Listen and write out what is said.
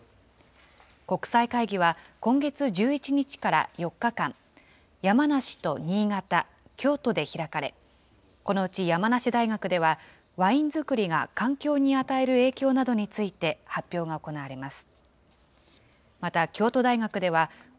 国際会議は今月１１日から４日間、山梨と新潟、京都で開かれ、このうち山梨大学では、ワイン造りが環境に与える影響などについて発表が行われます。